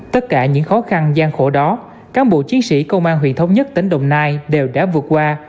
tất cả những khó khăn gian khổ đó cán bộ chiến sĩ công an huyện thống nhất tỉnh đồng nai đều đã vượt qua